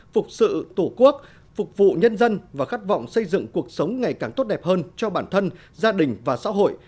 phục sự tổ quốc phục vụ nhân dân và khát vọng xây dựng cuộc sống ngày càng tốt đẹp hơn cho bản thân gia đình và xã hội